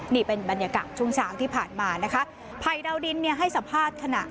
นี่เป็นบรรยากาศช่วงเช้าที่ผ่านมานะคะภัยดาวดินเนี่ยให้สัมภาษณ์ขณะ